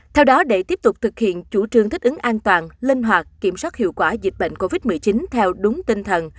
theo đó để tiếp tục thực hiện chủ trương thích ứng an toàn linh hoạt kiểm soát hiệu quả dịch bệnh covid một mươi chín theo đúng tinh thần